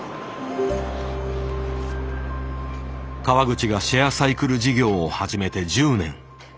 川口がシェアサイクル事業を始めて１０年。